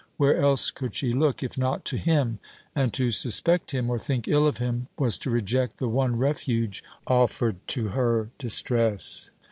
Where else could she look, if not to him? And to suspect him, or think ill of him, was to reject the one refuge offered to her distress.